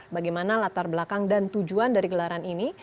bagaimana latar belakang dan tujuan dari gelaran ini